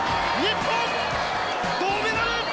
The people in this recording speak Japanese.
日本銅メダル！